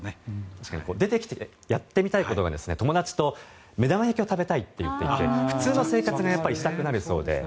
確かに出てきてやってみたいことが友達と目玉焼きを食べたいといっていて普通の生活がしたくなるそうで。